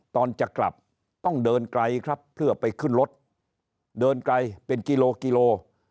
ตอนจะกลับต้องเดินไกลครับเพื่อไปขึ้นรถเดินไกลเป็นกิโลกิโล